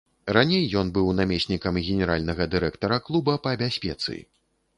Раней ён быў намеснікам генеральнага дырэктара клуба па бяспецы.